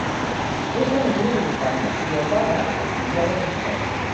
És una mesura voluntària, orientada a prestigiar les entitats.